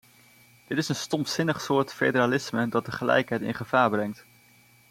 Dit is een stompzinnig soort federalisme dat de gelijkheid in gevaar brengt.